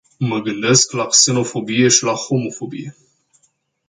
Mă gândesc la xenofobie și la homofobie.